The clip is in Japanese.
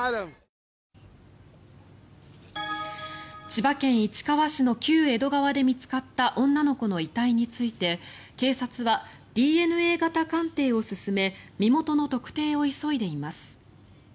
千葉県市川市の旧江戸川で見つかった女の子の遺体について警察はＤＮＡ型鑑定を進め身元の特定を急いでいます。